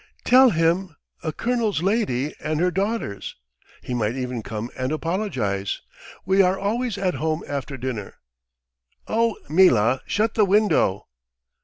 "Tell him, a colonel's lady and her daughters. He might even come and apologize. ... We are always at home after dinner. Oh, Mila, shut the window!"